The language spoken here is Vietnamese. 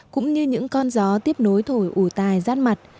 cũng như những con gió tiếp nối thổi ủ tài rát mặt